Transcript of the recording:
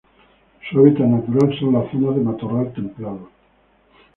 Su hábitat natural son las zonas de matorral templado.